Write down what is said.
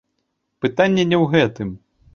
Пытанне не ў гэтым.